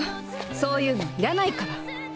そういうの要らないから。